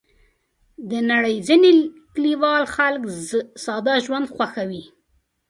د نړۍ ځینې کلیوال خلک ساده ژوند خوښوي.